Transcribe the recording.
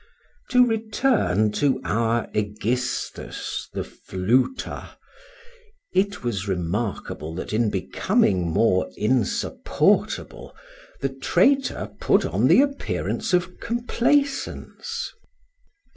To return to our Egistus, the fluter; it was remarkable that in becoming more insupportable, the traitor put on the appearance of complaisance.